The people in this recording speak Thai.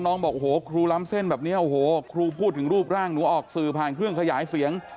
บอกโอ้โหครูล้ำเส้นแบบนี้โอ้โหครูพูดถึงรูปร่างหนูออกสื่อผ่านเครื่องขยายเสียง